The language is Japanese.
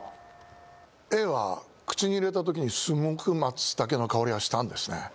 口に入れたときにすごく松茸の香りがしたんですね